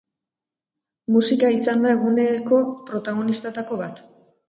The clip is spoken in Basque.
Musika izan da eguneko protagonistetako bat.